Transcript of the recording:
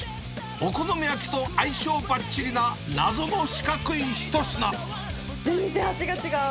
お好み焼きと相性ばっちりな、全然味が違う！